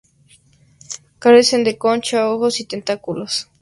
Carecen de concha, ojos y tentáculos.